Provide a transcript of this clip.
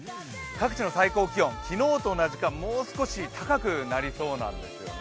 各地の最高気温、昨日と同じかもう少し高くなりそうなんですよね。